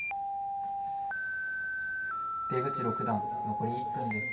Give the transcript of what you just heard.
出口六段残り１分です。